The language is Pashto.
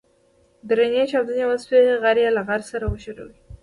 درنې چاودنې وسوې غر يې له غره سره وښوراوه.